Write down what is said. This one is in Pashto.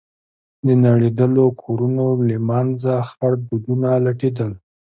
د نړېدلو کورونو له منځه خړ دودونه لټېدل.